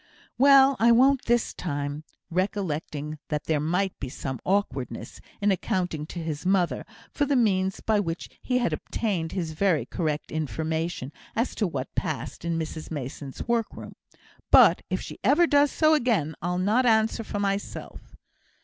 "Well, I won't this time" recollecting that there might be some awkwardness in accounting to his mother for the means by which he had obtained his very correct information as to what passed in Mrs Mason's workroom "but if ever she does so again, I'll not answer for myself."